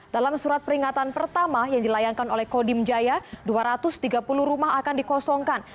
dalam surat peringatan pertama yang dilayangkan oleh kodim jaya dua ratus tiga puluh rumah akan dikosongkan